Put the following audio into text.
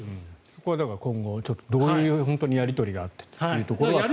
そこは今後どういうやり取りがあってというところが。